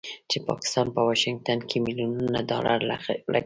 چې پاکستان په واشنګټن کې مليونونو ډالر لګښت کړی